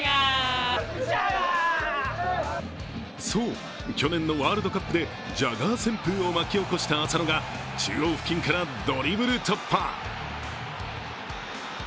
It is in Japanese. そう、去年のワールドカップでジャガー旋風を巻き起こした浅野が中央付近からドリブル突破。